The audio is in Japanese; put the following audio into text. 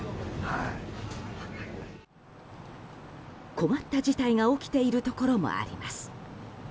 困った事態が起きているところもあります。